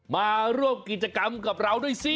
มาร่วมกิจกรรมกับเราด้วยสิ